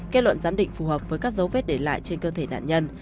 kết luận giám định phù hợp với các dấu vết để lại trên cơ thể nạn nhân